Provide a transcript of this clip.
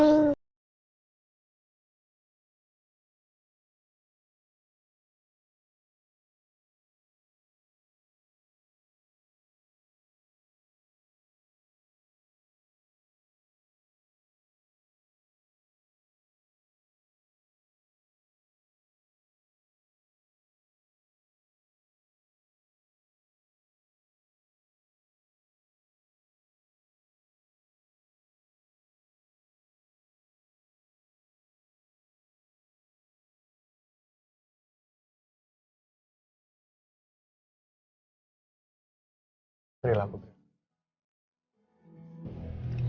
saya tidak tahu